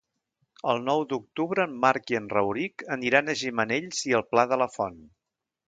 El nou d'octubre en Marc i en Rauric aniran a Gimenells i el Pla de la Font.